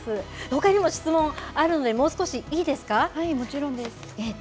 ほかにも質問あるので、もう少しもちろんです。